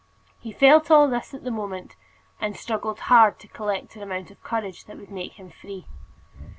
He felt all this at the moment, and struggled hard to collect an amount of courage that would make him free.